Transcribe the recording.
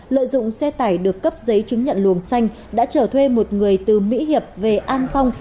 lợi dụng xe tải được cấp giấy chứng nhận luồng xanh đã trở thuê một người từ mỹ hiệp về an phong